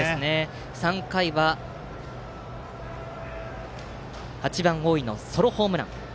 ３回は８番、大井のソロホームラン。